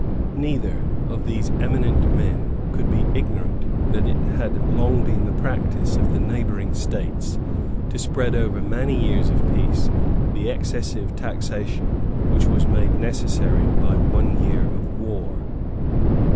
Neither of these eminent men could be ignorant that it had long been the practice of the neighbouring states to spread over many years of peace the excessive taxation which was made necessary by one year of war.